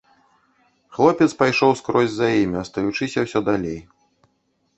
Хлопец пайшоў скрозь за імі, астаючыся ўсё далей.